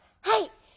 「はい。